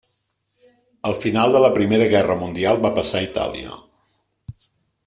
Al final de la Primera Guerra Mundial va passar a Itàlia.